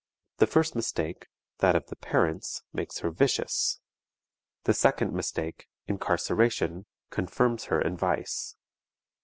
The first mistake, that of the parents, makes her vicious: the second mistake, incarceration, confirms her in vice.